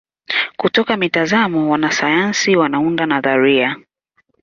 Kutoka mitazamo wanasayansi wanaunda nadharia.